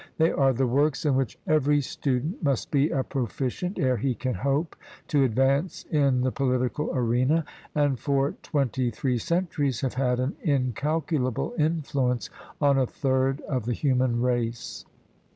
They are the works in which every student must be a proficient ere he can hope to advance in the political arena, and for twenty three centuries have had an incalculable influence on a third of the human race.